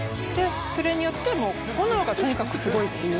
それによって炎がとにかくすごいっていう